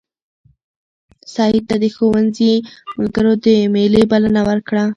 سعید ته د ښوونځي ملګرو د مېلې بلنه ورکړه.